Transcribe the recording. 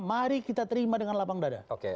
mari kita terima dengan lapang dada